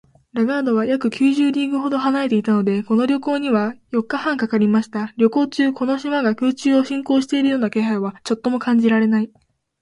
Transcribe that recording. ラガードは約九十リーグほど離れていたので、この旅行には四日半かかりました。旅行中、この島が空中を進行しているような気配はちょっとも感じられない